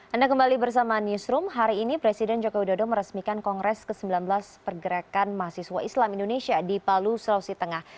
anda kembali bersama newsroom hari ini presiden joko widodo meresmikan kongres ke sembilan belas pergerakan mahasiswa islam indonesia di palu sulawesi tengah